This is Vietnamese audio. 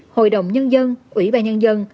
hội đồng nhân dân ủy ba nhân dân